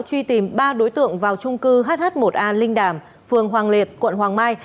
truy tìm ba đối tượng vào trung cư hh một a linh đàm phường hoàng liệt quận hoàng mai